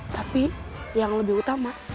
tapi yang lebih utama